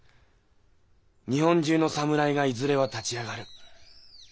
日本中の侍がいずれは立ち上がる。